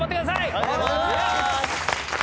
ありがとうございます。